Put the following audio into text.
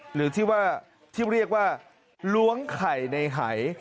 หรือที่ว่าที่เรียกว่าล้วงไข่ในหาย